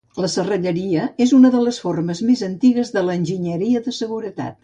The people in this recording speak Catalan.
La serralleria és una de les formes més antigues de l'enginyeria de seguretat.